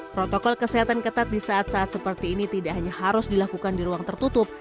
protokol kesehatan ketat di saat saat seperti ini tidak hanya harus dilakukan di ruang tertutup